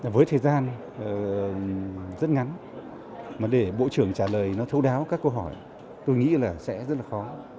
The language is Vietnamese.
với thời gian rất ngắn mà để bộ trưởng trả lời nó thấu đáo các câu hỏi tôi nghĩ là sẽ rất là khó